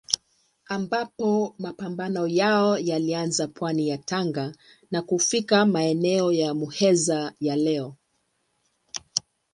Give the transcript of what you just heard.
Ambapo mapambano yao yalianza pwani ya Tanga na kufika maeneo ya Muheza ya leo.